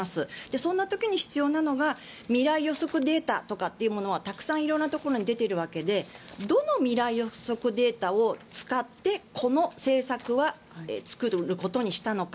そんな時に必要なのが未来予測データとかっていうものはたくさん色んなところに出ているわけでどの未来予測データを使ってこの政策は作ることにしたのか。